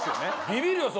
ビビるよ